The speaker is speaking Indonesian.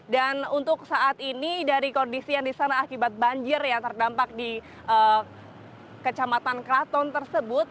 dan untuk saat ini dari kondisi yang di sana akibat banjir yang terdampak di kecematan keraton tersebut